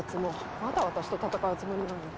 まだ私と戦うつもりなの？